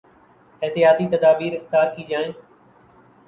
احتیاطی تدابیراختیار کی جائیں